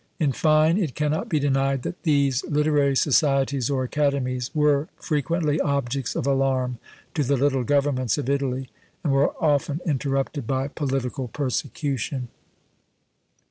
In fine, it cannot be denied that these literary societies or academies were frequently objects of alarm to the little governments of Italy, and were often interrupted by political persecution.